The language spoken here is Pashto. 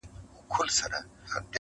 له شهیده څه خبر دي پر دنیا جنتیان سوي -